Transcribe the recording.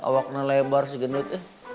wakna lebar si gendut